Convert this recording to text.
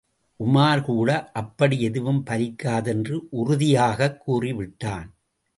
உமார் கூட அப்படி எதுவும் பலிக்காது என்று உறுதியாகக் கூறிவிட்டான்.